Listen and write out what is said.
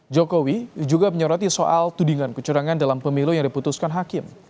jokowi juga menyoroti soal tudingan kecurangan dalam pemilu yang diputuskan hakim